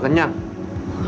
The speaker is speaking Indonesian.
aku mau ke rumah